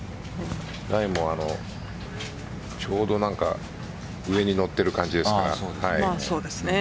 ライもちょうど上に乗っている感じですから。